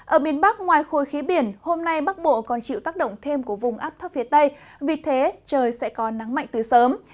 ở miền bắc ngoài khối khí biển hôm nay bắc bộ còn chịu tác động thêm của vùng áp thấp phía tây vì thế trời sẽ có nắng mạnh từ sớm